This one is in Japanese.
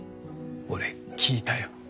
俺聞いたよ。